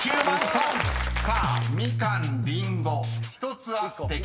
［さあ「みかん」「りんご」１つあって「かき」］